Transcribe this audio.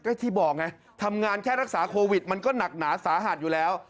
ก็ที่บอกไงทำงานแค่รักษาโควิดมันก็หนักหนาสาหัสอยู่แล้ว